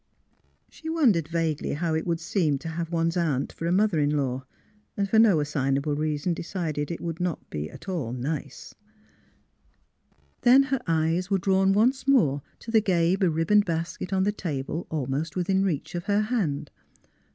She wondered vaguely how it would seem to have one's aunt for a mother in law, and for no assignable reason decided that it would not be at all nice. 62 THE HEART OF PHILURA Then her eyes were drawn once more to the gay, beribboned basket on the table almost within reach of her hand.